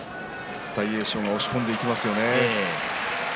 大栄翔も押し込んでいきますよね。